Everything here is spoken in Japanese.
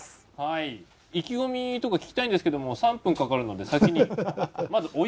意気込みとか聞きたいんですけども３分かかるので先にまずお湯を入れて頂く。